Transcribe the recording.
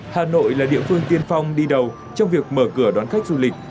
hà nội là địa phương tiên phong đi đầu trong việc mở cửa đón khách du lịch